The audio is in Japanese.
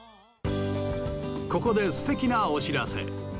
ここで素敵なお知らせ。